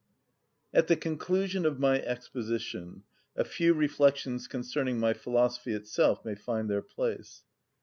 At the conclusion of my exposition a few reflections concerning my philosophy itself may find their place.